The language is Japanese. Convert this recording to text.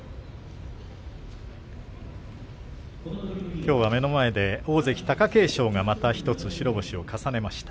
きょうは目の前で大関貴景勝がまた１つ白星を重ねました。